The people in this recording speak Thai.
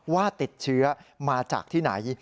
ว่าติดเชื้อมาจากที่ไหน